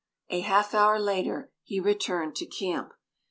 A half hour later he returned to camp.